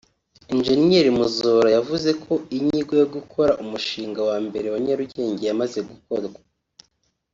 Eng Muzola yavuze ko inyigo yo gukora umushinga wa mbere wa Nyarugenge yamaze gukorwa